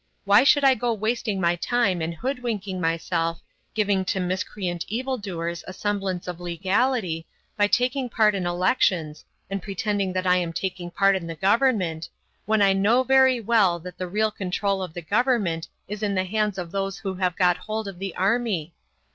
Why should I go wasting my time and hoodwinking myself, giving to miscreant evildoers a semblance of legality, by taking part in elections, and pretending that I am taking part in the government, when I know very well that the real control of the government is in the hands of those who have got hold of the army?